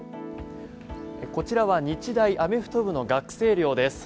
こちらは日大アメフト部の学生寮です。